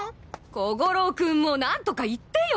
小五郎君も何とか言ってよ！